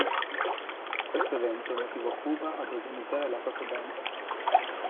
Questo evento motivò Cuba ad organizzare la propria band.